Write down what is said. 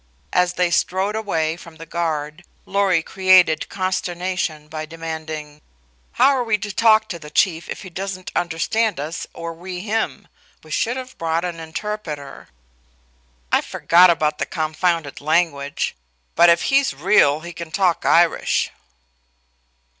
As they strode away from the guard Lorry created consternation by demanding: "How are we to talk to the Chief if he doesn't understand us or we him? We should lave brought an interpreter." "I forgot about the confounded language. But if he's real he can talk Irish."